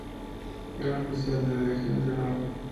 Gran Oficial de la Legión de Honor